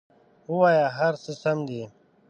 ووایه هر څه سم دي!